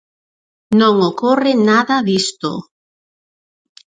Non ocorre nada disto.